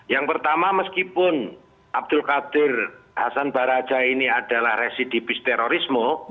yang pertama meskipun abdul qadir hasan baraja ini adalah residipis terorisme